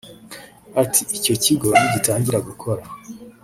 Ati “Icyo kigo nigitangira gukora